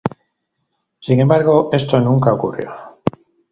Sin embargo, esto nunca ocurrió.